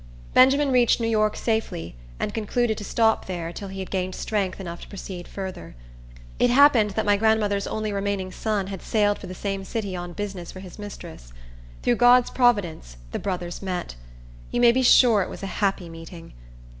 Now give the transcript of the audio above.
Benjamin reached New York safely, and concluded to stop there until he had gained strength enough to proceed further. It happened that my grandmother's only remaining son had sailed for the same city on business for his mistress. Through God's providence, the brothers met. You may be sure it was a happy meeting.